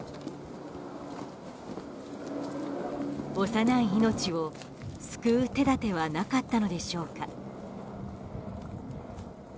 幼い命を救う手立てはなかったのでしょうか。